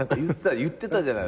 言ってたじゃない。